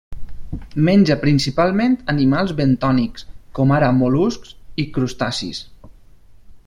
Menja principalment animals bentònics, com ara mol·luscs i crustacis.